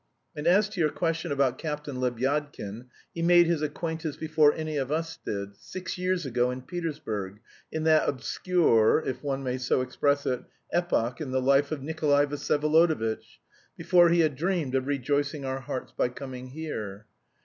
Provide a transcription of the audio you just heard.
And as to your question about Captain Lebyadkin, he made his acquaintance before any of us did, six years ago in Petersburg, in that obscure, if one may so express it, epoch in the life of Nikolay Vsyevolodovitch, before he had dreamed of rejoicing our hearts by coming here.